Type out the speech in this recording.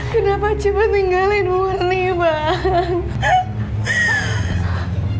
kenapa cipu tinggalin bu erni bang